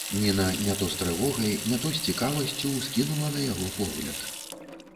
Ніна не то з трывогай, не то з цікавасцю ўскінула на яго погляд.